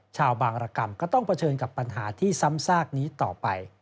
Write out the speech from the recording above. ชาวบางรกรรมก็ต้องเผชิญกับปัญหาที่ซ้ำซากนี้ต่อไป